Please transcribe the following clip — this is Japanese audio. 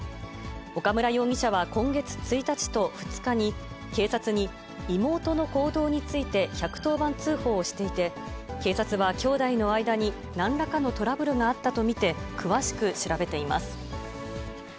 岡村容疑者は今月１日と２日に、警察に妹の行動について１１０番通報していて、警察は兄妹の間になんらかのトラブルがあったと見て、詳しく調べています。